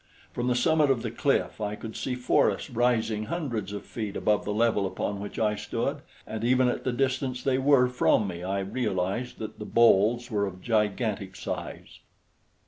From the summit of the cliff I could see forests rising hundreds of feet above the level upon which I stood, and even at the distance they were from me I realized that the boles were of gigantic size.